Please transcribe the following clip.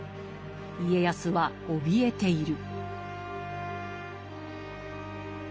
家康はおびえている。